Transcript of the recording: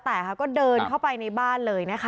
แต่เขาก็เดินเข้าไปในบ้านเลยนะคะ